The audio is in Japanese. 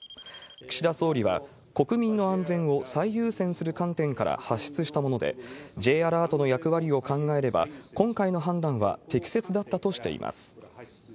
岸田総理は、国民の安全を最優先する観点から発出したもので、Ｊアラートの役割を考えれば、今回の判断は適切だったとしています。